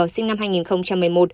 sinh năm hai nghìn một mươi một